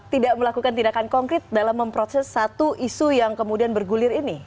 tidak melakukan tindakan konkret dalam memproses satu isu yang kemudian bergulir ini